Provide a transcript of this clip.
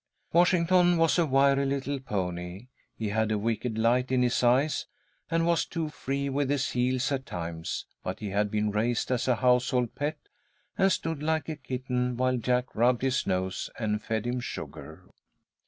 Washington was a wiry little pony. He had a wicked light in his eyes, and was too free with his heels at times, but he had been raised as a household pet, and stood like a kitten while Jack rubbed his nose and fed him sugar.